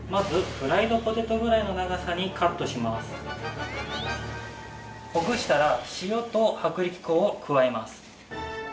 ほぐしたら塩と薄力粉を加えます。